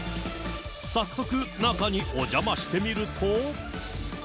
早速、中にお邪魔してみると。